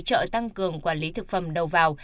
chợ tăng cường quản lý thực phẩm đầu vào